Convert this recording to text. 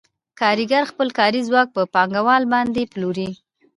کارګر خپل کاري ځواک په پانګوال باندې پلوري